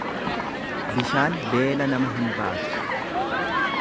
Bishaan beela nama hin baasu.